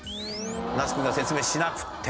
那須君が説明しなくても。